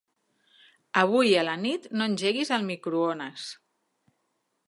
Avui a la nit no engeguis el microones.